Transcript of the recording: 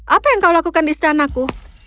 apa yang kau lakukan di istanaku